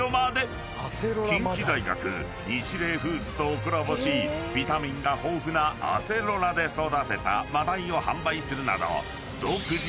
［近畿大学ニチレイフーズとコラボしビタミンが豊富なアセロラで育てた真鯛を販売するなど］